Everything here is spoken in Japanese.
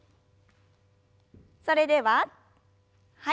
それでははい。